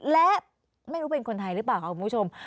ตกลงเป็นคนไทยหรือเปล่าครับคุณผู้ชม